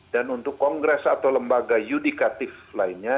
dan untuk kongres atau lembaga yudikatif lainnya